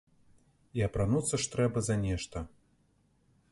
І апрануцца ж трэба за нешта.